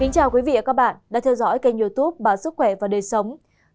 chào các bạn đã theo dõi kênh youtube bà sức khỏe và đời sống